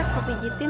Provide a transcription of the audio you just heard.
biasanya kau pijetin